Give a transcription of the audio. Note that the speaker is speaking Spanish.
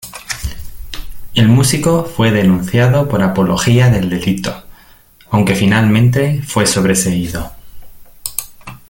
El músico fue denunciado por apología del delito, aunque finalmente fue sobreseído.